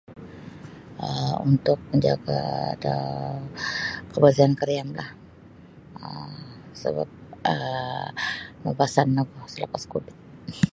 um Untuk manjaga da kabarsihan kariam lah um sabab um naubasan no gu salapas Covid.